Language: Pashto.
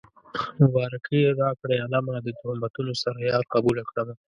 مبارکي راکړئ عالمه د تهمتونو سره يار قبوله کړمه